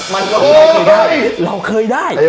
มันก็เคยได้